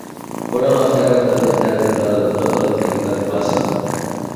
Foren les guerres de més llarga durada de tota l'antiguitat clàssica.